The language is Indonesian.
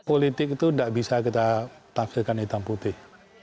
politik itu tidak bisa kita tafsirkan hitam putih